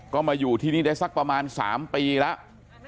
ก็มาอยู่ที่นี่ได้สักประมาณ๓ปีแล้ว